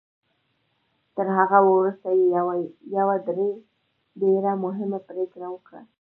تر هغه وروسته يې يوه ډېره مهمه پريکړه وکړه.